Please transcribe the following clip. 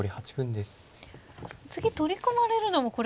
次取り込まれるのもこれ。